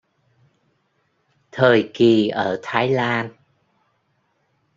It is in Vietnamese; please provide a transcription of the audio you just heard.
Thời kỳ ở Thái Lan